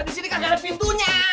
di sini kan ada pintunya